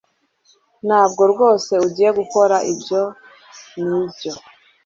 Ntabwo rwose ugiye gukora ibyo nibyo